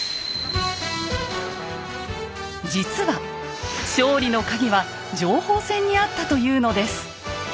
実は勝利のカギは情報戦にあったというのです。